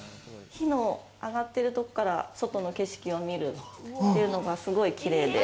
火が上がってるところから外の景色を見るというのがすごく綺麗で。